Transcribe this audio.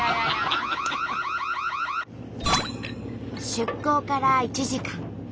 出港から１時間。